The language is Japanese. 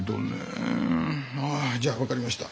ああじゃあ分かりました。